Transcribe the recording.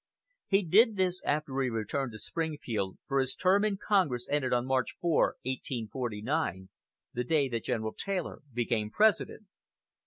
He did this after he returned to Springfield, for his term in Congress ended on March 4, 1849, the day that General Taylor became President.